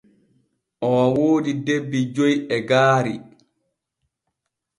Oo woodi debbi joy e gaari.